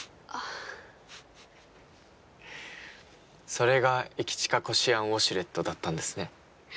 それが「駅近こしあんウォシュレット」だったんですね。